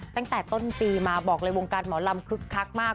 ตั้งแต่ต้นปีมาบอกเลยวงการหมอลำคึกคักมาก